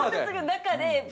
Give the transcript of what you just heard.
中で。